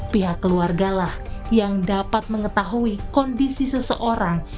pihak keluargalah yang dapat mengetahui kondisi seseorang